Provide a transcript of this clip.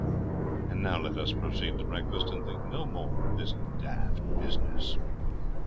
And now let us proceed to breakfast, and think no more of this daft business.'